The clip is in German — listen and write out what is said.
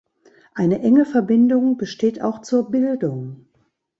Eine enge Verbindung besteht auch zur Bildung.